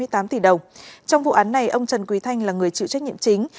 trong tháng này ông trần quỳ thanh là người chịu trách nhiệm chính